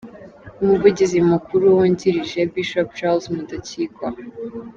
Umuvugizi mukuru wungirije: Bishop Charles Mudakikwa.